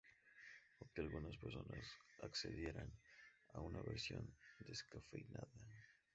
o que algunas personas accedieran a una versión descafeinada